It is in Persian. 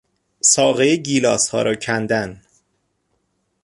ساقهی گیلاسها را کندن